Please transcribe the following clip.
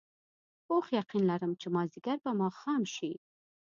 پوخ یقین لرم چې مازدیګر به ماښام شي.